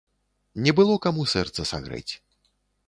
Не было каму сэрца сагрэць.